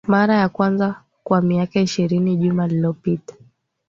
mara ya kwanza kwa miaka ishirini juma lililopita